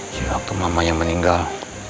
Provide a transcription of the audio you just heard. di waktu mamanya meninggal